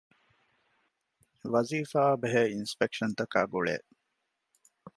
ވަޒީފާއާބެހޭ އިންސްޕެކްޝަންތަކާއި ގުޅޭ